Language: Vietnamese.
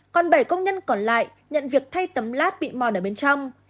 còn bảy công nhân còn lại nhận việc thay tấm lát bị mòn ở bên trong